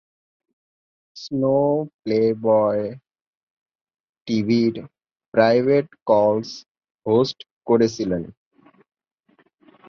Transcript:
Snow Playboy টিভির "private calls" host করেছিলেন।